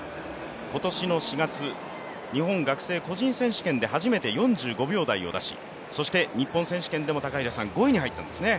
今年の４月、日本学生個人選手権で初めて５秒台をだし、そして日本選手権でも５位に入ったんですよね。